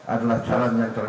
adalah cara yang terbaik